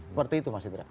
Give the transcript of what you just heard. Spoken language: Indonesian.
seperti itu mas indra